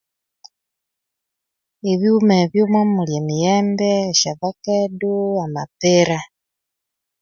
Ebighuma ebyo mwomuli emiyembe esyavakedo amapeera